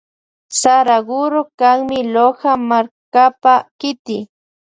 Saraguro kanmi Loja markapa kiti.